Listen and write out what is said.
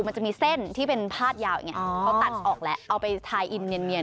มันจะมีเส้นที่เป็นพาดยาวอย่างนี้เขาตัดออกแล้วเอาไปทายอินเนียน